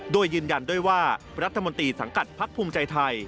โดยยืนยันด้วยว่ารัฐมนตรีสังกัดพักภูมิใจไทย